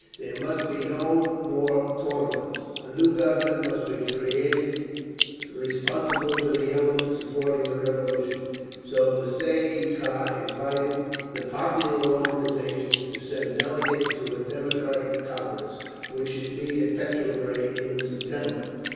There must be no more Kornilovs. A new Government must be created, responsible to the elements supporting the Revolution. So the Tsay ee kah invited the popular organisations to send delegates to a Democratic Conference, which should meet at Petrograd in September.